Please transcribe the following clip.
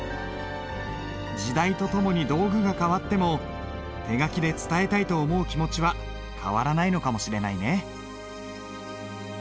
時代とともに道具が変わっても手書きで伝えたいと思う気持ちは変わらないのかもしれないね。